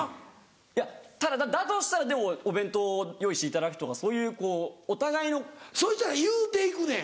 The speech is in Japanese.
いやただだとしたらお弁当を用意していただくとかそういうこうお互いの。そしたら言うて行くねん。